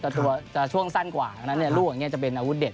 ตัวช่วงสั้นกว่านั้นรูของนี้จะเป็นอาวุธเด็ด